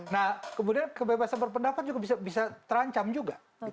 nah kemudian kebebasan berpendapat juga bisa terancam juga